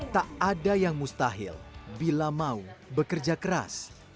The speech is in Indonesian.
tak ada yang mustahil bila mau bekerja keras